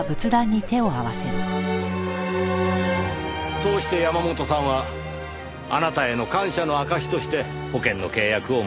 そうして山本さんはあなたへの感謝の証しとして保険の契約を結んだ。